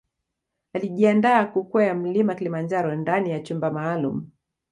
Alijiandaa kukwea Mlima Kilimanjaro ndani ya chumba maalum